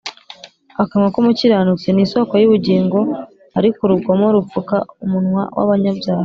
akanwa k’umukiranutsi ni isōko y’ubugingo, ariko urugomo rupfuka umunwa w’abanyabyaha